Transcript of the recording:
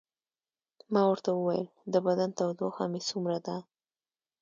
ما ورته وویل: د بدن تودوخه مې څومره ده؟